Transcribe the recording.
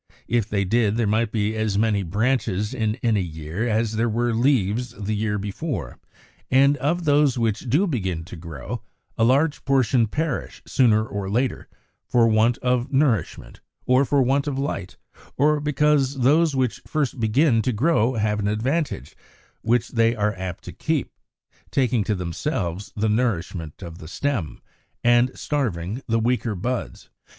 If they did, there might be as many branches in any year as there were leaves the year before. And of those which do begin to grow, a large portion perish, sooner or later, for want of nourishment, or for want of light, or because those which first begin to grow have an advantage, which they are apt to keep, taking to themselves the nourishment of the stem, and starving the weaker buds.